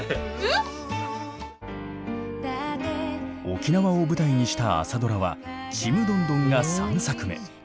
沖縄を舞台にした朝ドラは「ちむどんどん」が３作目。